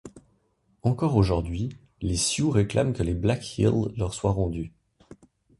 Encore aujourd'hui, les Sioux réclament que les Black Hills leur soient rendues.